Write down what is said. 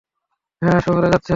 হ্যাঁ, শহরে যাচ্ছে।